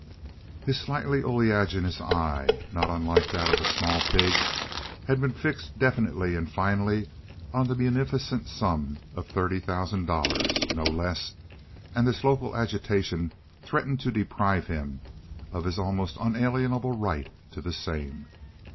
His slightly oleaginous eye—not unlike that of a small pig—had been fixed definitely and finally on the munificent sum of thirty thousand dollars, no less, and this local agitation threatened to deprive him of his almost unalienable right to the same.